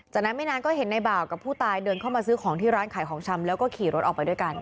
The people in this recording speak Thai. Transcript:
จากนั้นไม่นานก็เห็นในบ่าวกับผู้ตายเดินเข้ามาซื้อของที่ร้านขายของชำแล้วก็ขี่รถออกไปด้วยกัน